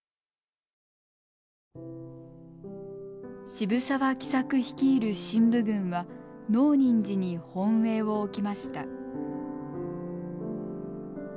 渋沢喜作率いる振武軍は能仁寺に本営を置きました。